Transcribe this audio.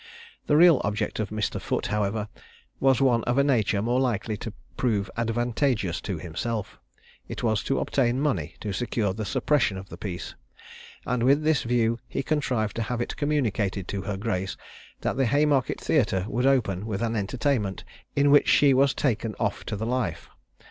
The real object of Mr. Foote, however, was one of a nature more likely to prove advantageous to himself it was to obtain money to secure the suppression of the piece; and with this view he contrived to have it communicated to her grace that the Haymarket Theatre would open with an entertainment in which she was taken off to the life.